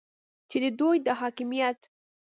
چې د دوی دا حاکمیت